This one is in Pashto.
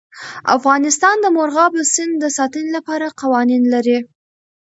افغانستان د مورغاب سیند د ساتنې لپاره قوانین لري.